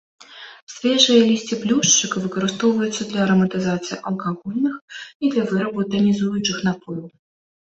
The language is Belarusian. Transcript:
Свежае лісце блюшчыка выкарыстоўваюцца для араматызацыі алкагольных і для вырабу танізуючых напояў.